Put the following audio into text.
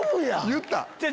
言った！